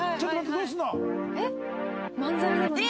どうするの？